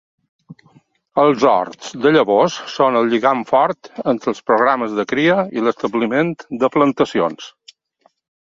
Els horts de llavors són el lligam fort entre els programes de cria i l'establiment de plantacions.